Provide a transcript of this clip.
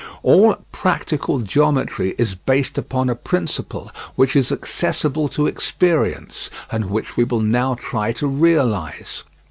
All practical geometry is based upon a principle which is accessible to experience, and which we will now try to realise.